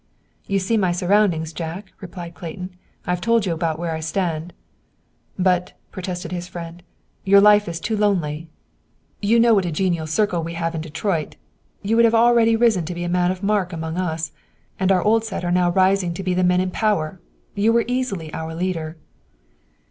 "You see my surroundings, Jack," replied Clayton. "I've told you about where I stand." "But," protested his friend, "your life is too lonely. You know what a genial circle we have in Detroit. You would have already risen to be a man of mark among us! And our old set are now rising to be the men in power. You were easily our leader."